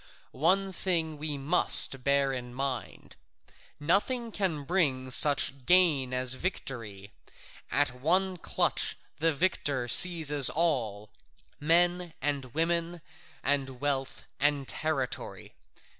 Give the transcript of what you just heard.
One thing we must bear in mind: nothing can bring such gain as victory; at one clutch the victor seizes all, men and women, and wealth, and territory.